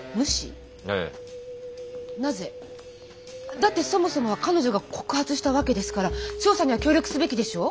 だってそもそもは彼女が告発したわけですから調査には協力すべきでしょう？